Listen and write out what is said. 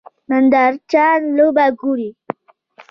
نندارچیان لوبه ګوري.